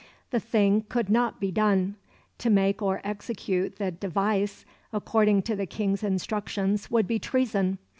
The thing could not be done. To make or execute the "devise" according to the King's instructions would be treason.